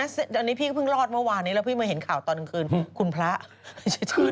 อันนี้พี่ก็เพิ่งรอดเมื่อวานนี้แล้วพี่มาเห็นข่าวตอนกลางคืนคุณพระ